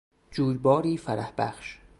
جویباری فرحبخش